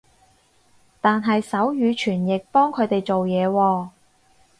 但係手語傳譯幫佢哋做嘢喎